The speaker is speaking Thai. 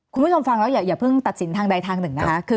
คุณผู้ชมฟังแล้วอย่าเพิ่งตัดสินทางใดทางหนึ่งนะคะ